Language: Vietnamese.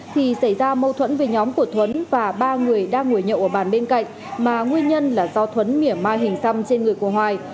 thì xảy ra mâu thuẫn với nhóm của thuấn và ba người đang ngồi nhậu ở bàn bên cạnh mà nguyên nhân là do thuấn mỉa mai hình xăm trên người của hoài